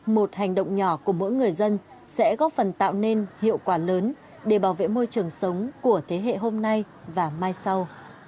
một hành động nhỏ của mỗi người dân sẽ góp phần tạo nên hiệu quả lớn để bảo vệ môi trường sống của thế hệ hôm nay và mai sau